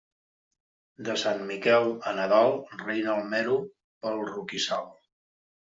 De Sant Miquel a Nadal reina el mero pel roquissal.